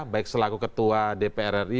baik selaku ketua dpr ri